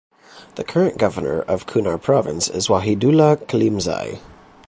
The current governor of Kunar province is Wahidullah Kalimzai.